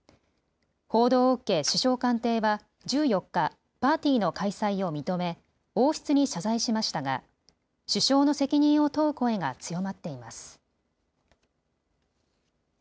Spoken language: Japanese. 報道を受け首相官邸は１４日、パーティーの開催を認め王室に謝罪しましたが首相の責任を問う声が強まっています。